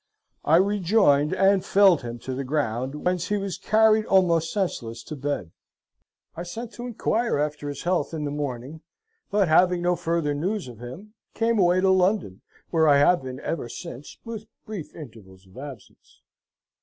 I rejoyned, and feld him to the ground, whents he was carried almost sencelis to bed. I sent to enquire after his health in the morning: but having no further news of him, came away to London where I have been ever since with brief intavles of absence.